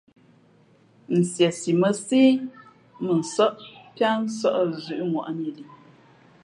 Nsiesi mά síí mʉnsάʼ piá nsα̂ʼ zʉ̌ʼŋwαʼni li.